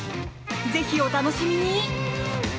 ぜひお楽しみに！